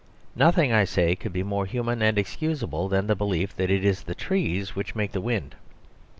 Nothing, I say, could be more human and excusable than the belief that it is the trees which make the wind.